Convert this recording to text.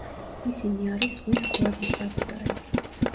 ისინი არის ზღვის კუების საბუდარი.